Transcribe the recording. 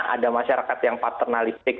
ada masyarakat yang paternalistik